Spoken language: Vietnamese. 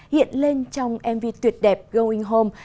hiện lên trong mv tuyệt đẹp going home